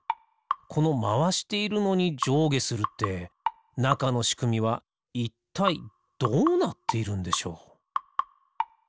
このまわしているのにじょうげするってなかのしくみはいったいどうなっているんでしょう？